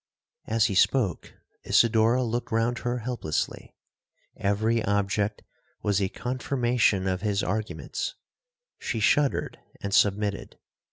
'As he spoke, Isidora looked round her helplessly—every object was a confirmation of his arguments—she shuddered and submitted.